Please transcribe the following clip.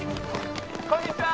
こんにちは。